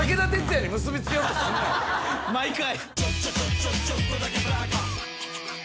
毎回？